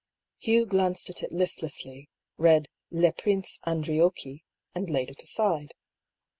Hugh glanced at it listlessly, read " Le Prince Andriocchi^^^ and laid it aside.